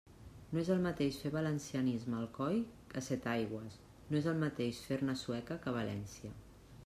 No és el mateix fer valencianisme a Alcoi que a Setaigües, no és el mateix fer-ne a Sueca que a València.